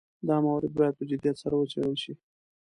دا مورد باید په جدیت سره وڅېړل شي.